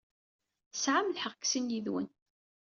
Tesɛam lḥeqq deg sin yid-wen.